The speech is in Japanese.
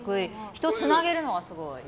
人をつなげるのがすごい。